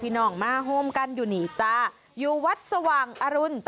พี่น้องมาซ่อนกันอยู่นี้จ้ะอยู่วัดสว่างอรุณต่ำบล